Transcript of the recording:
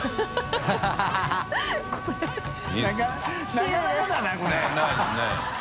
なかなかだなこれ。